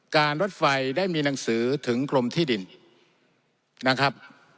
รถไฟได้มีหนังสือถึงกรมที่ดินนะครับ